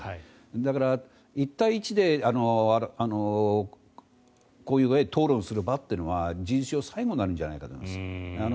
だから１対１で、こういう場で討論する場というのは事実上最後なんじゃないかと。